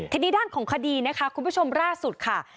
ทีนี้ด้านของคดีนะคะคุณผู้ชมล่าสุดค่ะ